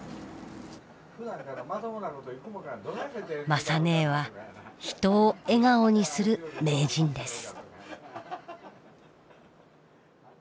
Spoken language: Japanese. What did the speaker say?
雅ねえは人を笑顔にする名人です。